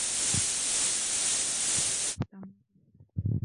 أشعة الشمس هي المصدر الرئيسي لفيتامين د